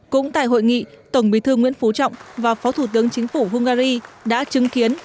cũng tại hội nghị tổng bí thư nguyễn phú trọng và phó thủ tướng chính phủ hungary đã chứng kiến